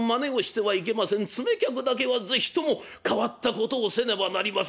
詰め客だけは是非とも変わったことをせねばなりません」。